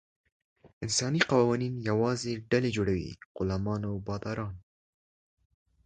انساني قوانین یوازې ډلې جوړوي: غلامان او باداران.